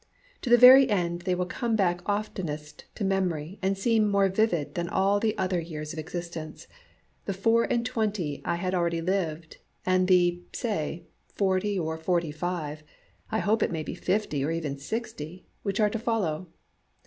To the very end they will come back oftenest to memory and seem more vivid than all the other years of existence the four and twenty I had already lived, and the, say, forty or forty five I hope it may be fifty or even sixty which are to follow.